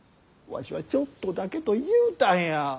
わしはちょっとだけと言うたんや。